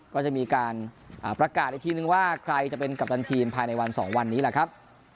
ก็จะมีการประกาศอีกทีนึงว่าใครจะเป็นกัปตันทีมภายในวัน๒วันนี้แหละครับ